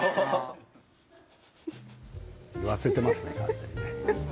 言わせてますね、完全に。